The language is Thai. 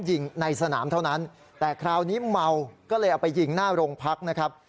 ยิงในสนามเท่านั้นแต่คราวนี้เมาก็เลยเอาไปยิงหน้าโรงพักนะครับ